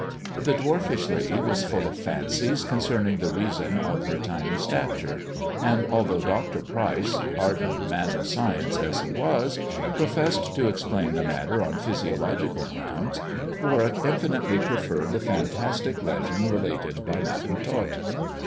The dwarfish lady was full of fancies concerning the reason of her tiny stature; and although Dr. Pryce, hardened man of science as he was, professed to explain the matter on physiological grounds, Warwick infinitely preferred the fantastic legend related by Madam Tot.